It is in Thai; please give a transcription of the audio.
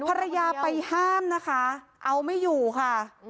ภรรยาไปห้ามนะคะเอาไม่อยู่ค่ะ